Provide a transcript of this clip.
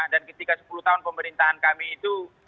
dan ketika sepuluh tahun pemerintahan kami itu